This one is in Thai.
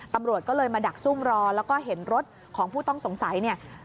ตำรวจก็เลยมาดักซุ่มรอแล้วก็เห็นรถของผู้ต้องสงสัยเนี่ย